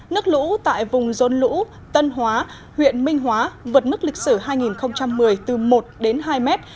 nước lũ tại vùng rôn lũ tân hóa huyện minh hóa vượt mức lịch sử hai nghìn một mươi từ một đến hai mét